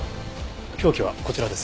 凶器はこちらです。